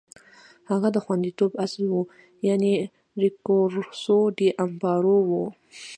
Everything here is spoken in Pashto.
هغه د خوندیتوب اصل و، یعنې ریکورسو ډی امپارو و.